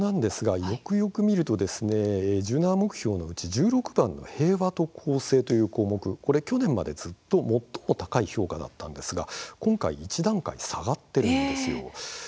よく見ると１６番の平和と公正という項目去年までずっと最も高い評価だったんですが今回１段階下がっているんです。